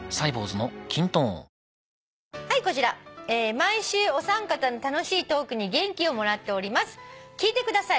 「毎週お三方の楽しいトークに元気をもらっております」「聞いてください。